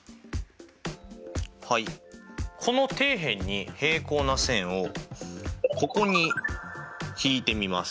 はいこの底辺に平行な線をここに引いてみます。